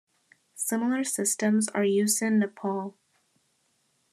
Similar systems are used in Nepal.